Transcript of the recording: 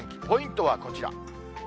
ポイントはこちら。